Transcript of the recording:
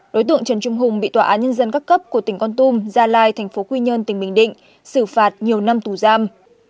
đối tượng trần trung hùng bị tòa án nhân dân các cấp của tỉnh con tum gia lai thành phố quy nhơn tỉnh bình định xử phạt nhiều năm tù giam